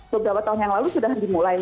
beberapa tahun yang lalu sudah dimulai